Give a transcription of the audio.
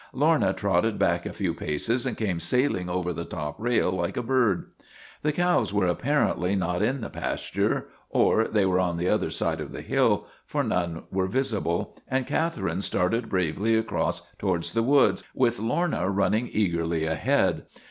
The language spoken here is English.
Lorna trotted back a few paces and came sailing over the top rail like a bird. The cows were apparently not in the pasture, or they were on the other side of the hill, for none were visible, and Catherine started bravely across to LORNA OF THE BLACK EYE 261 wards the woods, with Lorna running eagerly ahead.